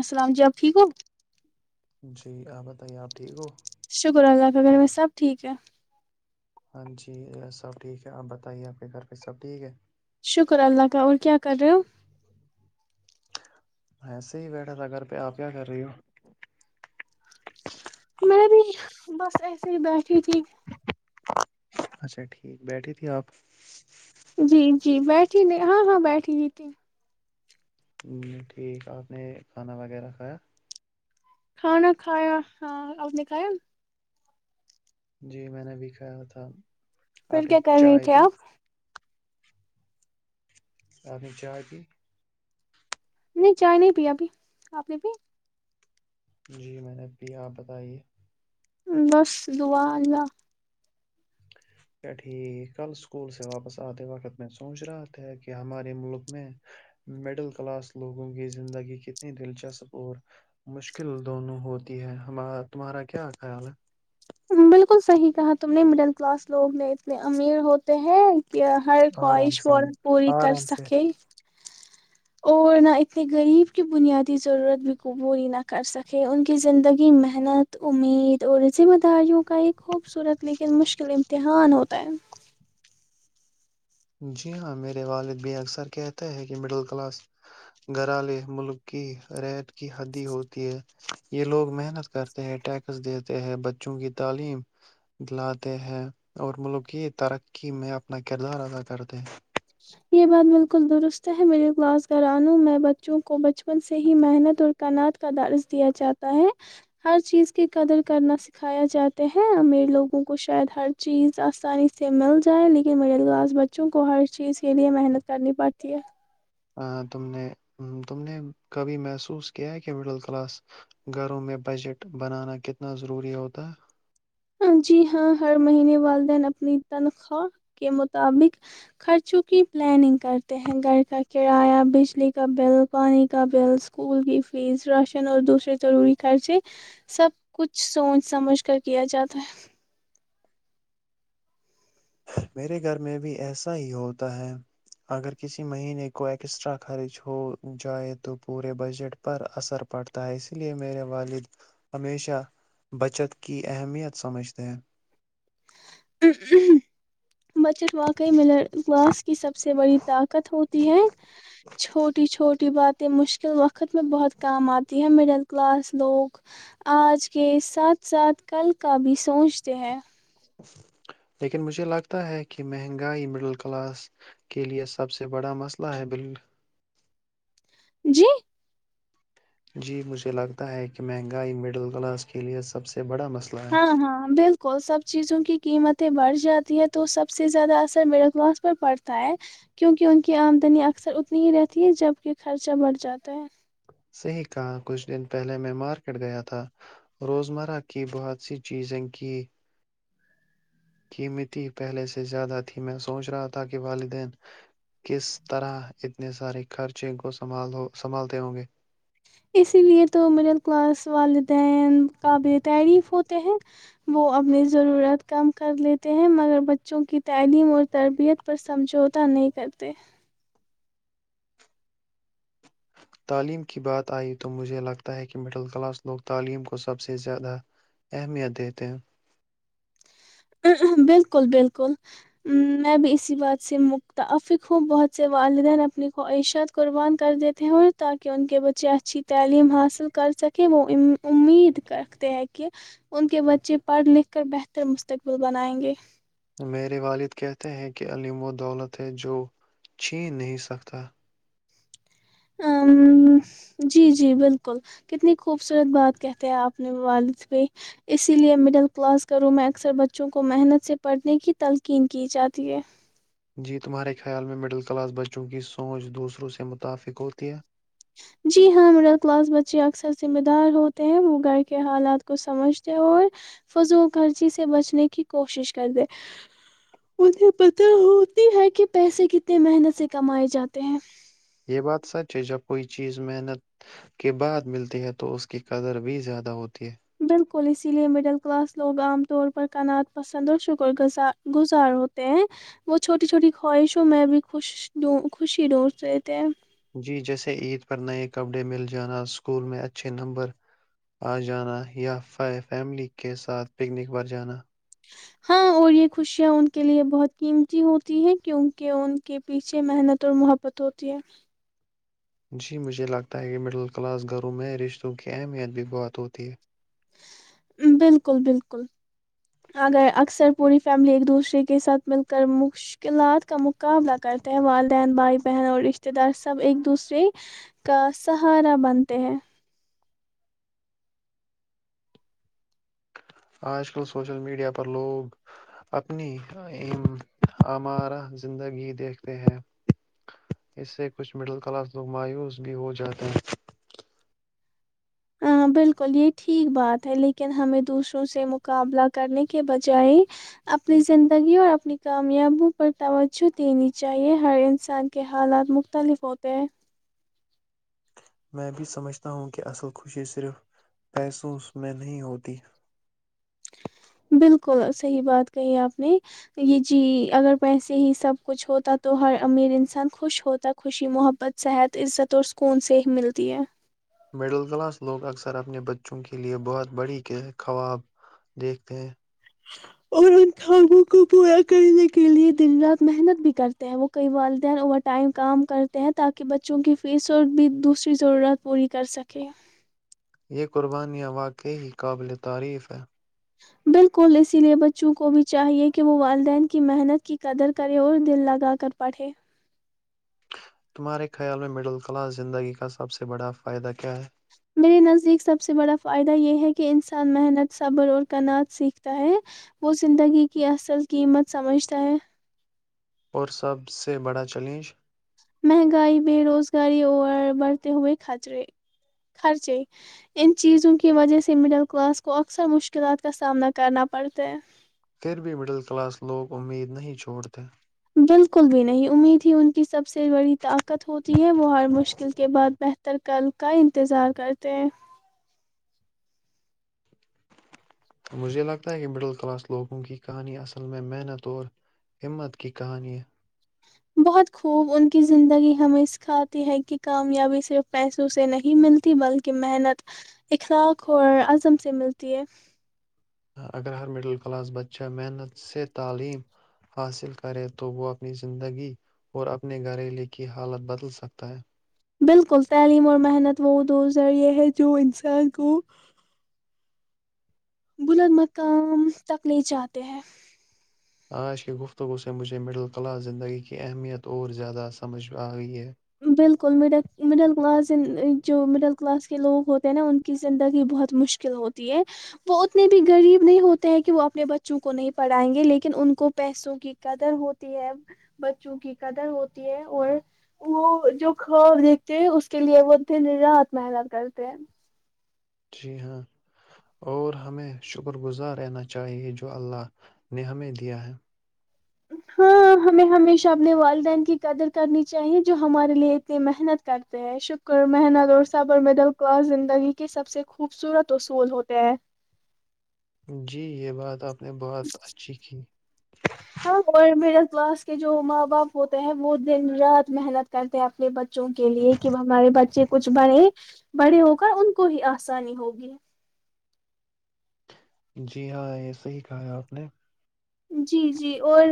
السلام جی آپ ٹھیک ہو جی آپ بتائیے آپ ٹھیک ہو شکر اللہ کے گھر میں سب ٹھیک ہے ہاں جی یہ سب ٹھیک ہے آپ بتائیے آپ کے گھر پہ سب ٹھیک ہے شکر اللہ کا اور کیا کر رہے ہو وسے ہی بیٹھا تھا گگر پ آپیا کر رہی ہو میں بھی بس ایسے ہی بیٹھی تھی اچھا ٹھیک بیٹھی تھی آپ جی جی بیٹھی نہیں ہاں ہاں بیٹھی ہی تھی ٹھیک آپ نے کھانا وغیرہ کھایا کھانا کھایا ہاں آپ نے کھایا جی میں نے بھی کہھا تھا پھر آپ نے کیا کرنی چائے تھے پی آپ آنی چائے پ نہیں جائے نہیں پ ابھی آپ نے بھی جی میں نے اب بھی آپ بتائیے بس دعا اللہ ٹ کل اسکول سے واپس آتے وقت میں سوچ رہا تھا کہ ہمارے ملک میں مڈل کلاس لوگوں کی زندگی کتنی دلچسپ اور مشکل دونوں ہوتی ہے تمہارا کیا خیال ہے بالکل صحیح کہا تم نے مڈل کلاس لوگ نے اتنے امیر ہوتے ہیں کہ ہر آرام خواہش سان اورورت پوری کر آرام سے سکے [unintelligible] جی ہاں میرے والد بھی اکثر کہتا ہے کہ مڈل کلاس گھرالے ملک کی ریٹ کی ہدی ہوتی ہے یہ لوگ محنت کرتے ہیں ٹیکس دیتے ہے بچوں کی تعلیم دلاتے ہیں اور ملک کی ترقی میں اپنا کردار ادا کرتے ہیں یہ بات بالکل درست ہے مڈل کلاس گھرانوں میں بچوں کو بچپن سے ہی محنت اور کناعات کا درج دیا جاتا ہے ہر چیز کی قدر کرنا سکھایا جاتے ہے امیر لوگوں کو شاید ہر چیز آسانی سے مل جائے لیکن مڈل کلاس بچوں کو ہر [unintelligible] چیز کے لیے محنت کرنی پڑتی ہے ہ تم نے تم نے کبھی محسوس کیا ہے کہ مڈل کلاس گھروں میں بجٹ بنانا کتنا ضروری ہوتا ہے جی ہاں ہر مہینے والدین اپنی تنخواہ کے مطابق خرچوں کی پلاننگ کرتے ہیں گھر کا کرایہ بجلی کا بل پانی کا بل اسکول کی فیس راشن اور دوسرے ضروری خرچے سب کچھ سوچ سمجھ کر کیا جاتا [unintelligible] تر [unintelligible] میرے گھر میں بھی ایسا ہی ہوتا ہے اگر کسی مہینے کو ایکسٹرا خرچ ہو جائے تو پورے بجٹ پر اثر پڑتا ہے اسی لیے میرے والد ہمیشہ بچت کی اہمیت سمجھتے ہیں [unintelligible] ا ا [unintelligible] بچت واقعی ملے گاس کی سب سے [unintelligible] سے بڑی طاقت ہوتی ہے چھوٹی چھوٹی بات مشکل وقت میں بہت کام آتی ہے مڈل کلاس لوگ آج کے ساتھ ساتھ کل کا بھی سوچتے ہیں لیکن مجھے لگتا ہے کہ مہنگائی مڈل کلاس کےلئے سب سے بڑا مسئلہ ہے بالل جی جی مجھے لگتا ہے کہ مہنگائی مڈل کلاس کے لئے سب سے یہ بڑا مسئلہ ہے کو سب چیزوں کی قیمتیں بڑھ جاتی ہے تو سب سے زیادہ اثر میرے کلاس پر پڑتا ہے کیونکہ ان کی آمدنی اکثر اتنی ہی رہتی ہے جب کہ خرچہ بڑھ جاتا ہے صحی کہا کچھ دن پہلے میں مارکیٹ گیا تھا روز مرہ کی بہت سی چیزیں کی قیمتی پہلے سے زیادہ تھی میں سوچ رہا تھا کہ والدین کس طرح اتنے سارے خرچے کو سنبھالتے ہوں گے اسی لیے تو مڈل کلاس والدین کاابل تعریف ہوتے ہیں وہ اپنی ضرورت کم کر لیتے ہیں مگر بچوں کی تعلیم اور تربیت پر سمجھوتاہ نہیں کرتے تعلیم کی بات آئی تو مجھے لگتا ہے کہ مڈل کلاس لوگ تعلیم کو سب سے زیادہ اہمیت دیتے ہیں بالکل بالکل میں بھی اسی بات سے متفق ہوں بہت سے والدین اپنی خواہشت قربان کر دیتے ہ تاکہ ان کے بچے اچھی تعلیم حاصل کر سکیں وہ امید رکھتے ہیں کہ ان کے بچے پڑھ لکھ کر بہتر [unintelligible] تک بھی بنائیں گے میرے والد کہتے ہیں کہ عم وہ دولت ہے جو چھین نہیں سکتا [unintelligible] ہ جی جی بالکل کتنی خوبصورت بات کہتے ہیں آپ نے والد بھی اسی لیے مڈل کلاس کروں میں اکثر بچوں کو محنت سے پڑھنے کی تلقین کی جاتی ہے جی تمہارے خیال میں مڈل کلاس بچوں کی سوچ دوسروں سے متفق ہوتی ہے جی ہاں مڈل کلاس بچے اکثر ذمہ دار ہوتے ہیں وہ گھر کے حالات کو سمجھتے اور فضو و خرچی سے بچنے کی کوشش کرتے انہیں پت ہوتی ہے کہ پیسے کتنے محنت سے کمائے جاتے ہیں [unintelligible] یہ بات سچ ہے جب کوئی چیز محنت کے بعد ملتی ہے تو اس کی قدر بھی زیادہ ہوتی ہے بالکل اسی لیے مڈل کلاس لوگ عام طور پر کنا پسند اور شکرزار گزار ہوتے ہیں وہ چھوٹی چھوٹی خواہشوں میں بھی خوش خوشی ڈھونڈ رہ تھ ہیں جی جیسے عید پر نئے کپڑے مل جانا اسکول میں اچھے نمبر آ جانا یا فیملی کے ساتھ پکنک پر جانا ہاں اور یہ خوشیاں ان کے لیے بہت قیمتی ہوتی ہیں کیونکہ ان کے پیچھے محنت اور محبت ہوتی ہے جی مجھے لگتا ہے کہ مڈل کلاس گھروں میں رشتوں کی اہمیت بھی بہت ہوتی ہے بالکل بالکل اگر اکثر پوری فیملی ایک دوسرے کے ساتھ مل کر مشکلات کا مقابلہ کرتے ہیں والدین بھائی بہن اور رشتتے دار سب ایک دوسرے کا سہارا بنتے ہیں آج کل سوشل میڈیا پر لوگ اپنی ہمارہ زندگی دیکھتے ہیں اس سے کچھ مڈل کلاس لوگ مایوس بھی ہو جاتے ہیں ہاں بالکل یہ ٹھیک بات ہے لیکن ہمیں دوسروں سے مقابلہ کرنے کے بجائے اپنی زندگی اور اپنی کامیابوں پر توجہ دینی چاہیے، ہر انسان کے حالات مختلف ہوتے ہیں [unintelligible] میں بھی سمجھتا ہوں کہ اصل خوشی صرف پحسوس میں نہیں ہوتی بالکل صحیح بات کہی آپ نے یہ جی اگر پیسے ہی سب کچھ ہوتا تو ہر امیر انسان خوش ہوتا خوشی محبت صحت عزت اور سکون سے ملتی ہے مڈل کلاس لوگ اکثر اپنے بچوں کے لیئے بہت بڑی خواب دیکھتے ہیں اور ان خابوں کو پورا کرنے کے لیے دن رات محنت بھی کرتے ہیں وہ کئی والدین اوور ٹائم کام کرتے ہیں تاکہ بچوں کی فیس اور بھی دوسری ضرورت پوری کر سکے [unintelligible] یہ قربان یاں واقع ہی قابل تعریف ہے بالکل اسی لئے بچوں کو بھی چاہیئے کہ وہ والدین کی محنت کی قدر کرے اور دل لگا کر پڑھے تمہارے خیال میں مڈل کلاس زندگی کا سب سے بڑا فائدہ کیا ہے میرے نزدیک سب سے بڑا فائدہ یہ ہے کہ کہ انسان محنت صبر اور کناعات سیکھتا ہے وہ زندگی کی اصل قیمت سمجھتا ہے اور سب سے بڑا چیلنج مہنگائی بے روزگاری اور بڑھتے ہوئے خچرے خرچے ان چیزوں کی وجہ سے مڈل کلاس کو اکثر مشکلات کا سامنا کرنا پڑتا ہے پھر بھی مڈل کلاس لوگ امید نہیں چھوڑتے [unintelligible] مجھے لگتا ہے کہ مڈل کلاس لوگوں کی کہانی اصل میں محنت اور ہمت کی کہانی بہت خوب ان کی زندگی ہمیں سکھاتی ہے کہ کامیابی صرف پیسوں سے نہیں ملتی بلکہ محنت اخلاق اور عزم سے ملتی ہے اگر ہر مڈل کلاس بچہ محنت سے تعلیم حاصل کرے تو وہ اپنی زندگی اور اپنے گھریلو کی حالت بدل سکتا ہے بالکل تعلیم اور محنت وہ دو ذریعے ہے جو انسان کو بلند مقام تک لے چاہتے ہیں آج کی گفتگو سے مجھے مڈل کلاس زندگی کی اہمیت اور زیادہ سمجھ میں آئی ہے بالکل مڈل مڈل کلاس جو مڈل کلاس کے لوگ ہوتے ہیں نا ان کی زندگی بہت مشکل ہوتی ہے وہ اتنے بھی غریب نہیں ہوتے ہیں کہ وہ اپنے بچوں کو نہیں پڑھائیں گے لیکن ان کو پیسوں کی قدر ہوتی ہے بچوں کی قدر ہوتی ہے اور وہ جو خواب دیکھتے ہیں اس کے لیے وہ رات محنت کرتے ہیں جی ہاں اور ہمیں شکر گزار رہنا چاہیے جو اللہ نے ہمیں دیا ہے ہاں ہمیں ہمیشہ اپنے والدین کی قدر کرنی چاہیے جو ہمارے لیے اتنی محنت کرتے ہیں شکر محنت اور صبر مڈل کلاس زندگی کے سب سے خوبصورت اصول ہوتے ہیں جی یہ بات آپ [unintelligible] نے بات اچھی کیھی [unintelligible] ہاں گ بھی ج [unintelligible] کلاس کے جو ماں باپ ہوتے ہیں وہ دن رات محنت کرتے ہیں اپنے بچوں کے لیے کہ ہمارے بچے کچھ بڑے بڑے ہو کر ان کو ہی آسانی ہوگی جی ہاں ایسے ہی کہا ہے آپ نے جی جی اور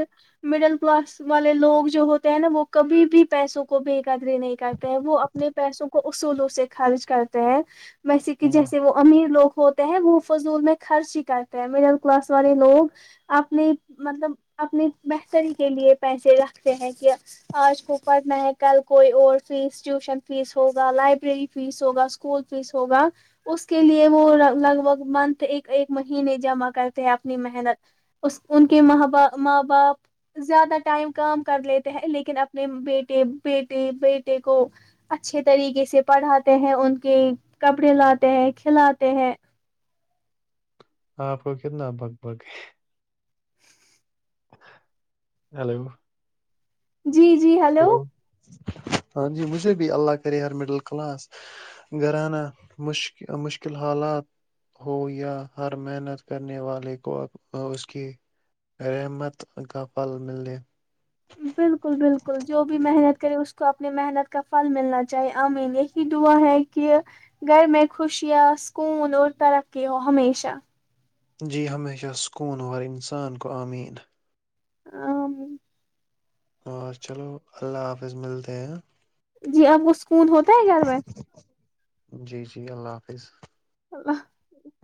مڈل کلاس والے لوگ جو ہوتے ہیں نا وہ کبھی بھی پیسوں کو بے قدری نہیں کرتے ہیں وہ اپنے پیسوں کو اصولوں سے خرچ کرتے ہیں ویسے کہ ہاں جیسے وہ امیر لوگ ہوتے ہیں وہ فضول میں خرچ ہی کرتے ہیں مڈل کلاس والے لوگ اپنی مطلب اپنی بہتری کے لیے پیسے رکھتے ہیں کہ آج کو پڑھنا ہے کل کوئی اور فیس ٹیوشن فیس ہوگا لائبریری فیس ہوگا اسکول فیس ہوگا اس کے لیے وہ لگ بھگ منتھ ایک ایک مہینے جمع کرتے ہیں اپنی محنت اس ان کے ماں با ماں باپ زیادہ ٹائم کام کر لیتے ہیں لیکن اپنے بیٹے بیٹے بیٹے کو اچھے طریقے سے پڑھاتے ہیں ان کے کپڑے لاتے ہیں کھلاتے ہیں آپ کو کتنا بگ بگ ہے ہیلو جی جی ہلو ہاں جی مجھے بھی اللہ کرے ہر مڈل کلاس گھرانا مش مشکل حالات ہو یا ہر محنت کرنے والے کو اس کی رحمت کا پل مل دے بالکل بالکل جو بھی محنت کرے اس کو اپنے محنت کا پھل ملنا چاہیے امین یہی دعا ہے کہ گھر میں خوشیاں سکون اور ترقی ہو ہمیشہ جی ہمیشہ سکون ہو ہر انسان کو آمین ا [unintelligible] اور چلو اللہ حافظ ملتے ہیں جی آپ کو سکون ہوتا ہے گھر میں جی جی اللہ حافظ اللہ [unintelligible]